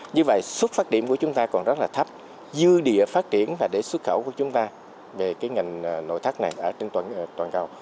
như vậy xuất phát điểm của chúng ta còn rất là thấp dư địa phát triển và để xuất khẩu của chúng ta về cái ngành nội thất này ở trên toàn cầu thì nó còn rất là nhiều